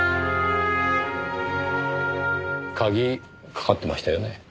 鍵かかってましたよね？